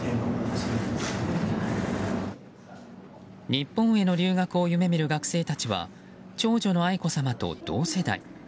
日本への留学を夢見る学生たちは長女の愛子さまと同世代。